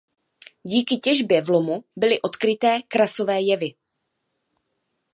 Díky těžbě v lomu byly odkryté krasové jevy.